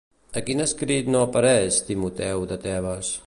A quin escrit no apareix Timoteu de Tebes?